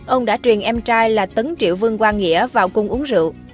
ông đã truyền em trai là tấn triệu vương quang nghĩa vào cung uống rượu